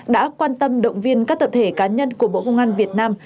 đã quan tâm động viên các tập thể cá nhân của bộ công an việt nam